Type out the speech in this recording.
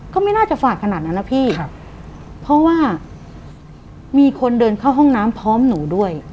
ก็ไม่น่าจะฝาดขนาดนั้นนะพี่เพราะว่ามีคนเดินเข้าห้องน้ำพร้อมหนูด้วย